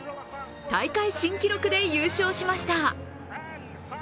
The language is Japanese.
大会新記録で優勝しました。